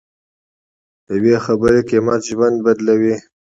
د یوې خبرې قیمت ژوند بدلوي.